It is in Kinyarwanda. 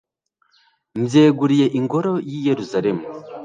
mbyeguriye ingoro y'i yeruzalemu